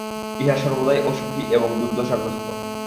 ইহা সর্বদাই অসুখী এবং দুর্দশাগ্রস্ত।